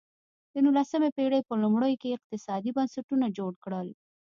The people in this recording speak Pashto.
د نولسمې پېړۍ په لومړیو کې اقتصادي بنسټونه جوړ کړل.